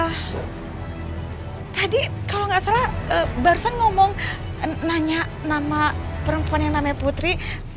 nah tadi kalau nggak salah barusan ngomong nanya nama perempuan yang namanya putri